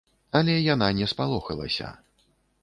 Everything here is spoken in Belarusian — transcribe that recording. Але яна не спалохалася.